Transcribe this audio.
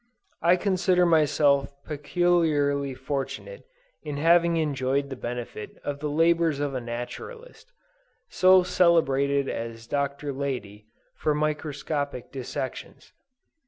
I consider myself peculiarly fortunate in having enjoyed the benefit of the labors of a Naturalist, so celebrated as Dr. Leidy, for microscopic dissections.